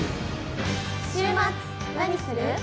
週末何する？